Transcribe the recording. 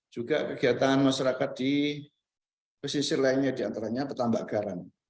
juga kegiatan masyarakat di pesisir lainnya diantaranya petambak garam